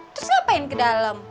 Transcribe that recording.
terus ngapain ke dalam